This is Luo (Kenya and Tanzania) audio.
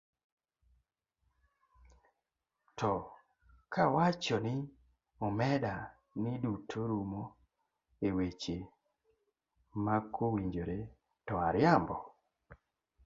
To kawacho ni omeda ni duto rumo e weche makowinjore, to ariambo?